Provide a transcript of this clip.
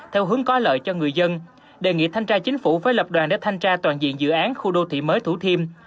theo hướng có lợi cho người dân đề nghị thanh tra chính phủ với lập đoàn để thanh tra toàn diện dự án khu đô thị mới thủ thiêm